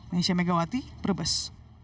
nesya megawati brebes